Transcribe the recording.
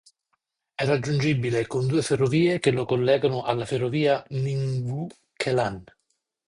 È raggiungibile con due ferrovie che lo collegano alla ferrovia Ningwu-Kelan.